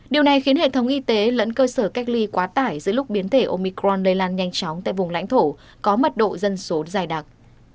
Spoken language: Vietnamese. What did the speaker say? điều này khiến hệ thống y tế lẫn cơ sở cách ly quá tải giữa lúc biến thể omicron lây lan nhanh chóng tại vùng lãnh thổ có mật độ dân số dài đặc